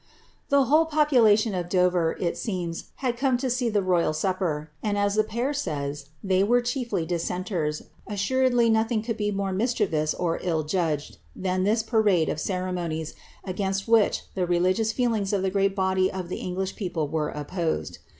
^ Tlie whole population of Dover, it seems, had come to see the royal supper ; and as the phc Bays tliey were chiefly dissenters, a^^suredly no thing could be more mischievous or ill judged than this parade of cere monies, against whicli the religions feelings of the great body of the English people were opposed.